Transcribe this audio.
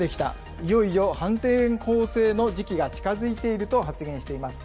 いよいよ反転攻勢の時期が近づいてきていると発言しています。